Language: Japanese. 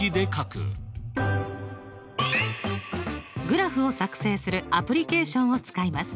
グラフを作成するアプリケーションを使います。